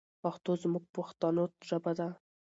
پښتو زموږ پښتنو ژبه ده.